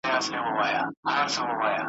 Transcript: تا په تور او سپین جادو قرنونه غولولي وو ,